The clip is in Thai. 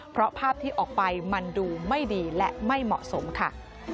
เพราะภาพที่ออกไปมันดูไม่ดีและไม่เหมาะสมค่ะ